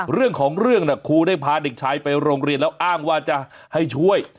เรื่องของเรื่องน่ะครูได้พาเด็กชายไปโรงเรียนแล้วอ้างว่าจะให้ช่วย